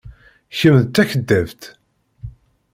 Kemm d takeddabt.